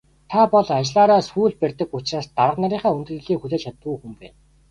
Та бол ажлаараа сүүл барьдаг учраас дарга нарынхаа хүндэтгэлийг хүлээж чаддаггүй хүн байна.